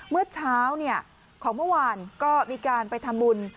เมื่อเช้าของเมื่อวานก็มีการไปทำบุญ